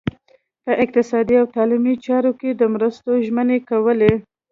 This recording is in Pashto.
په اقتصادي او تعلیمي چارو کې د مرستو ژمنې کولې.